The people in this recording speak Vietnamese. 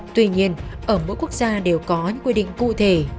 tuy nhiên ở mỗi quốc gia đều có những quy định cụ thể